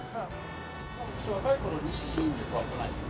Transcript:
若い頃西新宿は来ないですか？